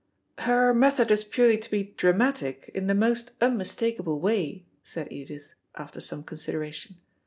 "Her method is purely to be dramatic, in the most unmistakable way," said Edith, after some consideration.